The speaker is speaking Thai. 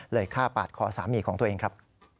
ฆ่าปาดคอสามีของตัวเองครับ